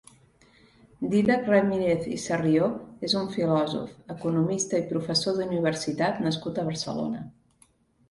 Dídac Ramírez i Sarrió és un filòsof, economista i professor d'universitat nascut a Barcelona.